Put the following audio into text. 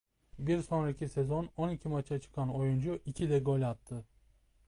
Bir sonraki sezon on iki maça çıkan oyuncu iki de gol attı.